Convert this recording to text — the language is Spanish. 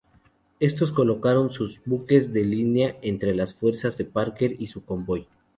Estos colocaron sus buques de línea entre las fuerzas de Parker y su convoy.